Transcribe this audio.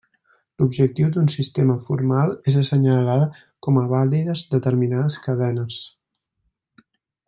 L'objectiu d'un sistema formal és assenyalar com a vàlides determinades cadenes.